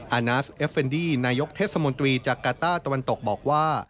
อาณาสเอฟเฟนดี้นายกเทศมนตรีจากกาต้าตะวันตกบอกว่า